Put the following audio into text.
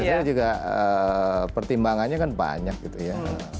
saya juga pertimbangannya kan banyak gitu ya